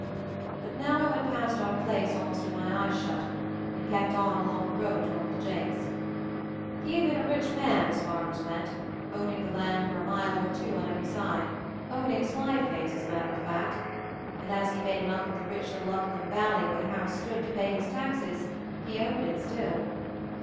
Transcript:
But now I went past our place almost with my eyes shut; and kept on along the. road to Uncle Jake's. He had been a rich MOVING THE MOUNTAIN 277 man, as farmers went, owning the land for a mile or two on every side, owning Slide face as a matter of fact; and as he made enough from the rich little upland valley where the house stood, to pay his taxes, he owned it still.